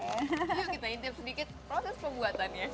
yuk kita intip sedikit proses pembuatannya